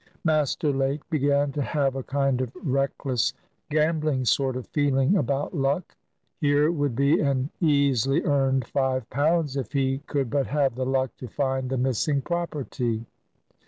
Master Lake began to have a kind of reckless, gambling sort of feeling about luck. Here would be an easily earned five pounds, if he could but have the luck to find the missing property!